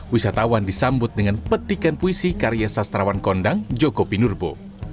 wisatawan disambut dengan petikan puisi karya sastrawan kondang joko pinurbo